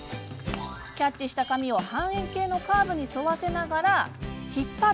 キャッチした髪を半円形のカーブに沿わせながら引っ張る。